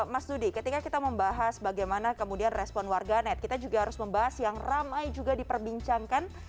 mas dudi ketika kita membahas bagaimana kemudian respon warga net kita juga harus membahas yang ramai juga diperbincangkan